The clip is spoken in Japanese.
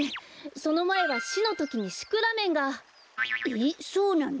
そのまえはシのときにシクラメンが！えそうなの？